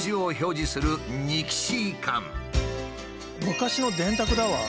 昔の電卓だわ。